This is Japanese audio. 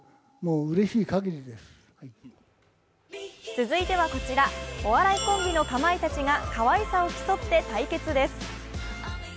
続いてはこちらお笑いコンビのかまいたちがかわいさを競って対決です。